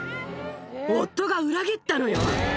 夫が裏切ったのよ。